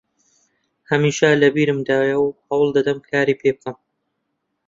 هەمیشە لە بیرمدایە و هەوڵ دەدەم کاری پێ بکەم